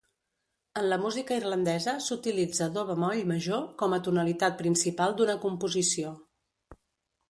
En la música irlandesa s'utilitza do bemoll major com a tonalitat principal d'una composició.